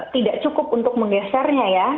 tidak cukup untuk menggesernya ya